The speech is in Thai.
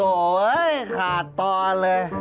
โอ๊ยขาดตอนเลย